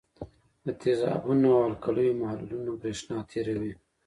د تیزابونو او القلیو محلولونه برېښنا تیروي.